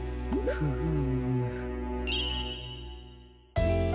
フーム。